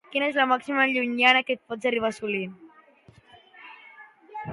I quina és la màxima llunyania que pot arribar a assolir?